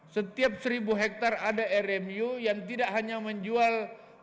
setiap seribu hektare ada rmu yang tidak hanya menjual